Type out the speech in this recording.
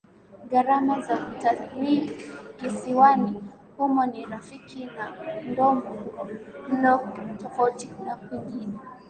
Gharama za utalii kisiwani humo ni rafiki na ndogo mno tofauti na kwingine